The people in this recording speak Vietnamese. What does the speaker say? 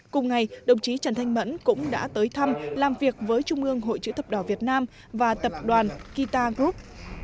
cùng ngày đồng chí trần thanh mẫn cũng đã tới thăm làm việc với trung ương hội chữ thập đỏ việt nam và tập đoàn guitar group